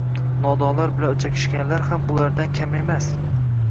Nodonlar bilan o’chakishganlar ham ulardan kam emas…